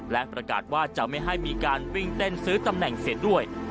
และประกาศว่าจะไม่ให้มีการวิ่งเต้นซื้อตำแหน่งเสียด้วย